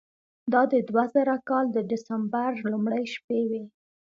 دا د دوه زره کال د دسمبر لومړۍ شپې وې.